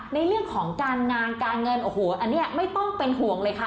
ในเรื่องของการงานการเงินโอ้โหอันนี้ไม่ต้องเป็นห่วงเลยค่ะ